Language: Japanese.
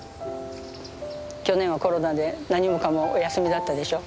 去年はコロナで何もかもお休みだったでしょ。